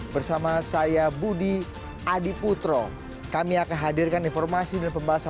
bersama saya budi adiputro kami akan hadirkan informasi dan pembahasan